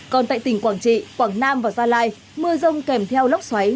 còn tại tỉnh quảng trị quảng nam và gia lai mưa rông kèm theo lốc xoáy